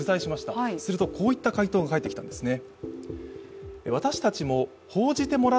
そうするとこういった回答が返ってきたんですね。